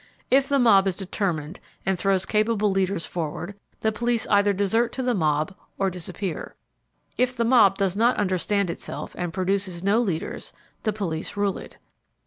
If the mob is determined and throws capable leaders forward, the police either desert to the mob or disappear. If the mob does not understand itself and produces no leaders the police rule it.